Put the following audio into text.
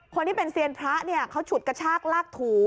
คนที่เป็นเซียนพระเนี่ยเขาฉุดกระชากลากถู